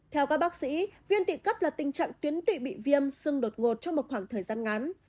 theo các bác sĩ viên tụy cấp là tình trạng tuyến tụy bị viêm sưng đột ngột trong một khoảng thời gian ngắn